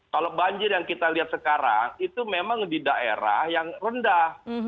kalau banjir yang kita lihat sekarang itu memang di daerah yang rendah